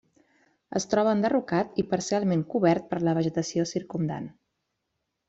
Es troba enderrocat i parcialment cobert per la vegetació circumdant.